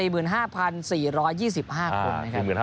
๔๕๔๒๕คนนะครับ